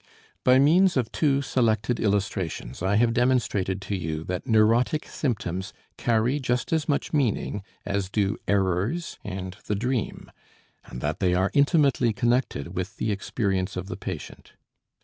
By means of two selected illustrations I have demonstrated to you that neurotic symptoms carry just as much meaning as do errors and the dream, and that they are intimately connected with the experience of the patient.